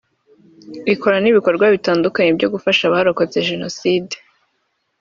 Ikora n’ibikorwa bitandukanye byo gufasha abarokotse Jenoside